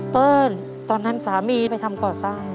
ตอนนั้นสามีไปทำก่อสร้าง